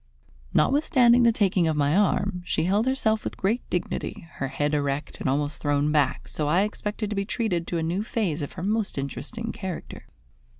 Notwithstanding the taking of my arm, she held herself with great dignity, her head erect and almost thrown back, so I expected to be treated to a new phase of her most interesting character.